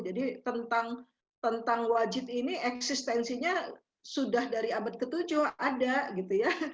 jadi tentang wajib ini eksistensinya sudah dari abad ke tujuh ada gitu ya